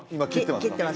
切ってます